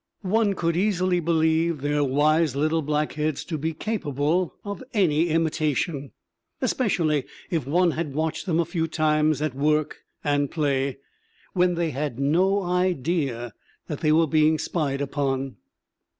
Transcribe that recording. One could easily believe their wise little black heads to be capable of any imitation, especially if one had watched them a few times, at work and play, when they had no idea they were being spied upon.